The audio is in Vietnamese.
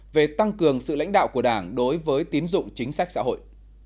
về tăng cường sự lãnh đạo của đảng đối với tiến dụng chính sách xã hội